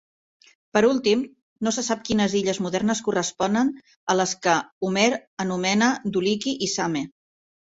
Per últim, no se sap quines illes modernes corresponen a les que Homer anomena Duliqui i Same.